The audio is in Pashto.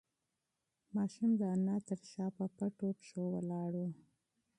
ماشوم د انا تر شا په پټو پښو ولاړ و.